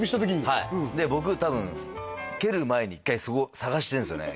はいで僕多分蹴る前に一回そこ探してるんですよね